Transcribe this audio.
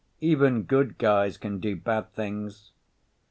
"Even good guys can do bad things.